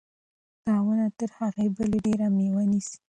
دا ونه تر هغې بلې ډېره مېوه نیسي.